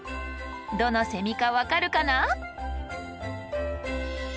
どのセミか分かるかな？